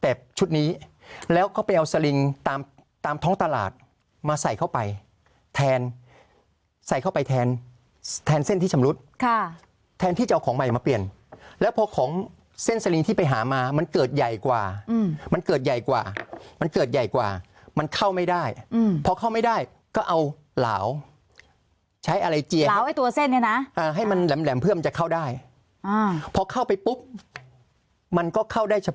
แต่ชุดนี้แล้วก็ไปเอาสลิงตามท้องตลาดมาใส่เข้าไปแทนใส่เข้าไปแทนเส้นที่ชำรุดแทนที่จะเอาของใหม่มาเปลี่ยนแล้วพอของเส้นสลิงที่ไปหามามันเกิดใหญ่กว่ามันเกิดใหญ่กว่ามันเกิดใหญ่กว่ามันเข้าไม่ได้พอเข้าไม่ได้ก็เอาเหลาใช้อะไรเจียเอาไอ้ตัวเส้นเนี่ยนะให้มันแหลมเพื่อมันจะเข้าได้พอเข้าไปปุ๊บมันก็เข้าได้ชะ